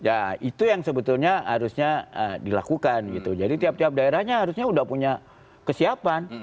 ya itu yang sebetulnya harusnya dilakukan gitu jadi tiap tiap daerahnya harusnya sudah punya kesiapan